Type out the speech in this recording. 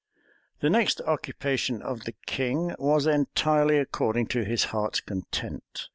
} The next occupation of the king was entirely according to his heart's content.